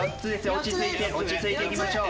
落ち着いて落ち着いていきましょう。